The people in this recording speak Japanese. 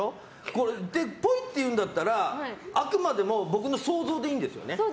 これ、ぽいっていうんだったらあくまでも僕の想像でいいんですよね。